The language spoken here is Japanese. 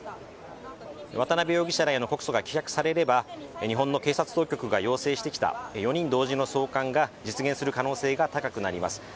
渡辺優樹容疑者らへの告訴が棄却されれば日本の警察当局が要請してきた４人同時の送還が実現する可能性が高くなります。